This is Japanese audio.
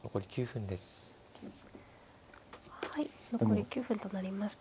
はい残り９分となりました。